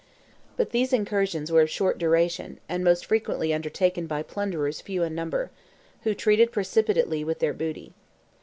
But these incursions were of short duration, and most frequently undertaken by plunderers few in number, who retreated precipitately with their booty.